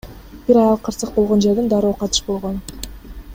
Бир аял кырсык болгон жерден дароо кайтыш болгон.